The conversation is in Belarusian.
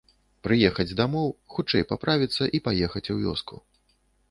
Прыехаць дамоў, хутчэй паправіцца і паехаць у вёску.